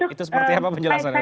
itu seperti apa penjelasannya